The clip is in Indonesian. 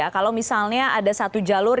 kalau misalnya ada satu jalur